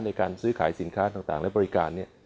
ในการซื้อขายสินค้าต่างและบริการ